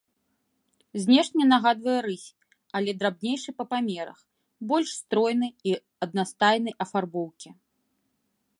Знешне нагадвае рысь, але драбнейшы па памерах, больш стройны і аднастайнай афарбоўкі.